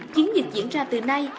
chiến dịch diễn ra từ nay